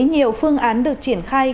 nhiều phương án được triển khai